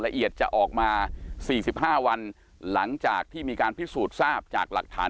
ละเอียดจะออกมา๔๕วันหลังจากที่มีการพิสูจน์ทราบจากหลักฐาน